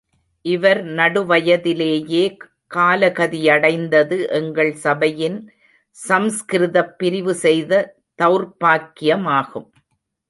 இவர் நடுவயதிலேயே காலகதியடைந்தது எங்கள் சபையின் சம்ஸ்கிருதப் பிரிவு செய்த தௌர்ப்பாக்கியமாகும்.